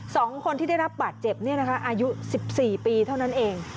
สองคนที่ได้รับบาดเจ็บเนี่ยนะคะอายุสิบสี่ปีเท่านั้นเอง